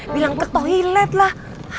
bilang ke toilet lah